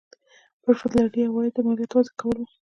پر فدرالي عوایدو د مالیاتو وضع کول وو.